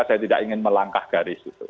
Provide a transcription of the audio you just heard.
saya tidak ingin melangkah garis itu